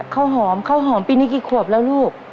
เข้าหอมขั้วหน้าปี่เท่านี้กี่ขวบละลูก